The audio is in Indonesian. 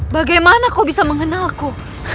bagaimana kau bisa mengenalku